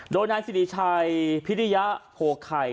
โดยนายสิริชัยพิริยะโพไข่